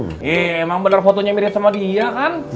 eh emang bener fotonya mirip sama dia kan